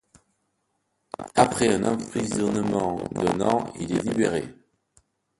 Après un emprisonnement d'un an, il est libéré.